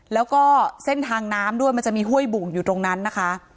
แล้วก็เส้นทางน้ำด้วยมันจะมีห้วยบุ่งอยู่ตรงนั้นนะคะ